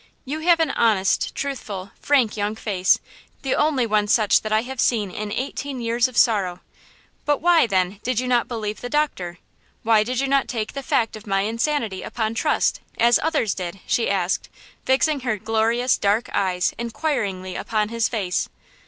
You have an honest, truthful, frank, young face! the only one such that I have seen in eighteen years of sorrow! But why, then, did you not believe the doctor? Why did you not take the fact of my insanity upon trust, as others did?" she asked, fixing her glorious, dark eyes inquiringly upon his face.